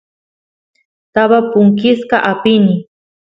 taba punkisqa apini